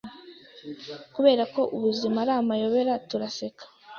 Kuberako ubuzima ari amayobera, turaseka